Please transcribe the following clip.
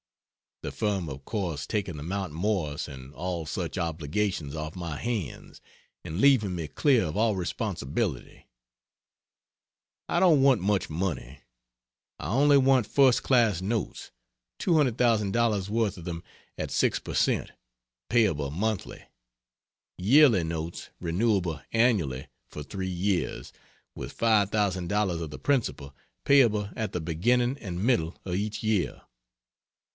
(The firm of course taking the Mount Morris and all such obligations off my hands and leaving me clear of all responsibility.) I don't want much money. I only want first class notes $200,000 worth of them at 6 per cent, payable monthly; yearly notes, renewable annually for 3 years, with $5,000 of the principal payable at the beginning and middle of each year.